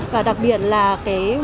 và đặc biệt là cái